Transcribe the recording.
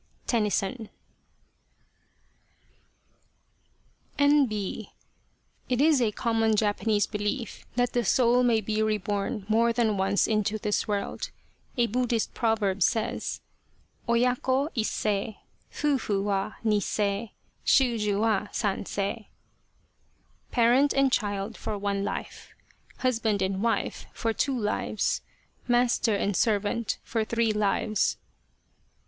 TENNYSON N.B. It is a common Japanese belief that the soul may be re born more than once into this world. A Buddhist proverb says : Oya ko, is se Fufu wa, ni se, Shu ju wa, sanse. Parent and child for one life ; Husband and wife for two lives ; Master and servant for three lives.